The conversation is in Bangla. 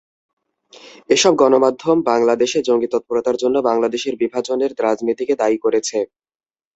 এসব গণমাধ্যম বাংলাদেশে জঙ্গি তৎপরতার জন্য বাংলাদেশের বিভাজনের রাজনীতিকে দায়ী করেছে।